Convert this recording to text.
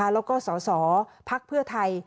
แล้วก็สสพักเพื่อไทย